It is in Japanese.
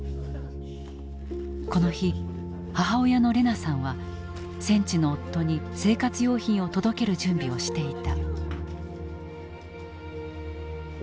この日母親のレナさんは戦地の夫に生活用品を届ける準備をしていた。